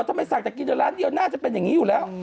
ทำไมสั่งแต่กินเดี๋ยวร้านเดียวน่าจะเป็นอย่างนี้อยู่แล้ว